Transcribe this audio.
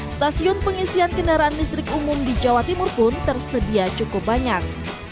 stasiun pengisian kendaraan listrik umum di jawa timur pun tersedia cukup banyak